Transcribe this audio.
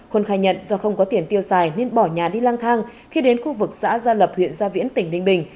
huân khai nhận do không có tiền tiêu xài nên bỏ nhà đi lang thang khi đến khu vực xã gia lập huyện gia viễn tỉnh ninh bình